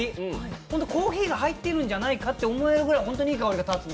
ホント、コーヒーが入ってるんじゃないかと思えるぐらいいい香りが立つんで